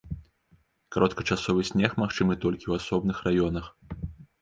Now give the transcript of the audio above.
Кароткачасовы снег магчымы толькі ў асобных раёнах.